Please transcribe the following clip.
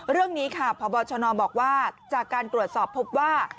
เรื่องนี้ค่ะพบชนบอกว่าจากการตรวจสอบพบว่า